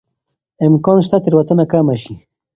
امکان شته تېروتنه کمه شي.